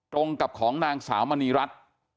ตรงกับของนางสาวมณีรัฐ